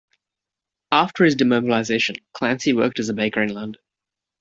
After his demobilization, Clancy worked as a baker in London.